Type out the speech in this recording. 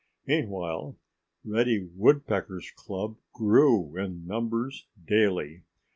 Meanwhile Reddy Woodpecker's club grew in numbers daily.